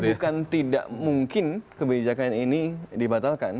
jadi bukan tidak mungkin kebijakan ini dibatalkan